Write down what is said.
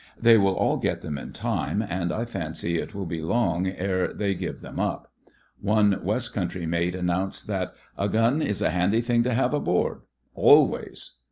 They will all get them in time, and I fancy it will be long ere they give them up. One West Country mate announced that "a gun is a handy thing to have aboard — always."